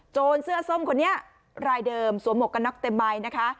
โจรเสื้อส้มคนนี้ลายเดิมสวมกระน็อกเต็มใบนะคะ